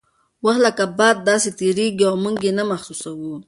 وخت لکه باد داسې تیریږي او موږ یې نه محسوسوو.